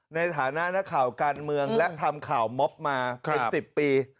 ในฐานะนักข่าวการเมืองและทำข่าวม็อบมาเป็น๑๐ปี